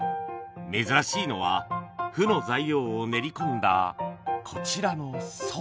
珍しいのはふの材料を練りこんだこちらのそば